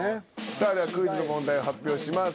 さあではクイズの問題を発表します。